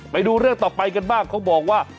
ไปดูเรื่องต่อไปกันบ้างเขาบอกว่า